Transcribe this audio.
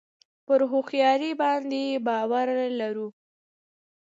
پر هوښیاري باندې باور لرو.